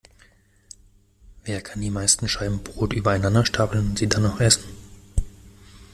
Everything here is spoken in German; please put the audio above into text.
Wer kann die meisten Scheiben Brot übereinander stapeln und sie dann noch essen?